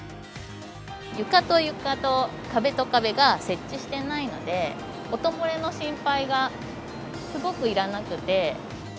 床と床と壁と壁が接地してないので、音漏れの心配がすごくいらなくて。